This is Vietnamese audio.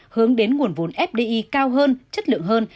hướng đến nguồn vốn fdi cao hơn chất lượng hơn